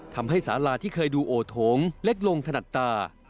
สาลาที่เคยดูโอโถงเล็กลงถนัดตา